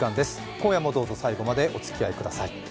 今夜もどうぞ最後までおつきあいください。